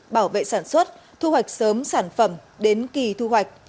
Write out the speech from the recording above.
bảo vệ sản xuất thu hoạch sớm sản phẩm đến kỳ thu hoạch